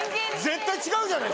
絶対違うじゃないですか。